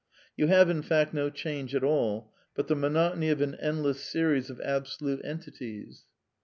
You have, in fact, no change at all, but the monotony of an endless series of absolute entities.